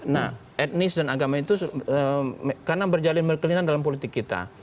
nah etnis dan agama itu karena berjalin berkelinan dalam politik kita